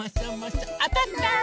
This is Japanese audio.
あたった！